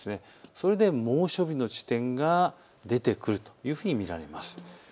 それで猛暑日の地点が出てくるというふうに見られます。